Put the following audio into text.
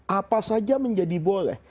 apa saja menjadi boleh